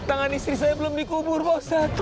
tangan istri saya belum dikubur pak ustadz